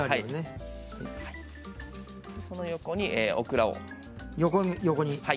その横にオクラを。